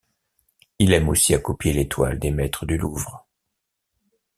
Il aime aussi à copier les toiles des maîtres du Louvre.